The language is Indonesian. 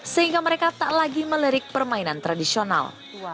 sehingga mereka tak lagi melirik permainan tradisional